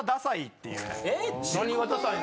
何がダサいの？